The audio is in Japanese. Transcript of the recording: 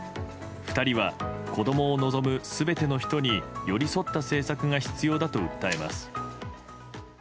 ２人は子供を望む全ての人に寄り添った政策が必要だと訴えます。